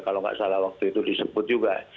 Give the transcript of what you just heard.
kalau nggak salah waktu itu disebut juga